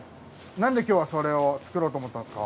なんで今日はそれを作ろうと思ったんですか？